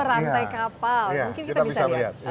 rantai kapal mungkin kita bisa lihat